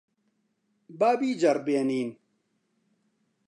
با بیجەڕبێنین.